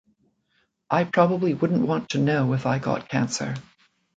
I probably wouldn't want to know if I got cancer.